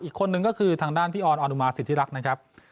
อีกคนนึงก็คือทางด้านพี่ออนออนุมาสิทธิรักษ์นะครับ